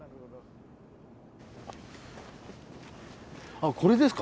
あこれですか？